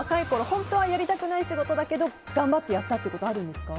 本当はやりたくないけど頑張ってやったということあるんですか。